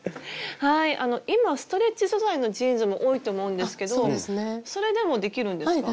今ストレッチ素材のジーンズも多いと思うんですけどそれでもできるんですか？